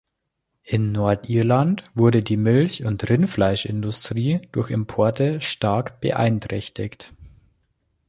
In Nordirland wurde die Milch- und Rindfleischindustrie durch Importe stark beeinträchtigt.